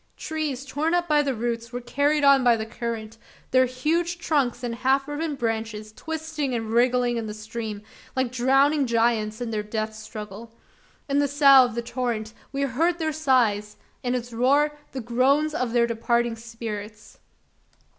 Trees torn up by the roots were carried on by the current their huge trunks and half riven branches twisting and wriggling in the stream, like drowning giants in their death struggle. In the "sough" of the torrent, we heard their sighs in its roar, the groans of their departing spirits!